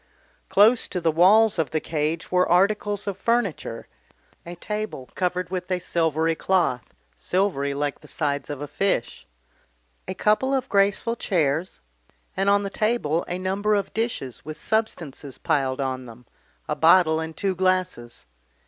Close to the walls of the cage were articles of furniture, a table covered with a silvery cloth, silvery like the side of a fish, a couple of graceful chairs, and on the table a number of dishes with substances piled on them, a bottle and two glasses.